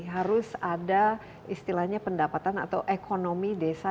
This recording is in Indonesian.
harus ada istilahnya pendapatan atau ekonomi desa